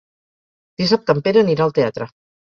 Dissabte en Pere anirà al teatre.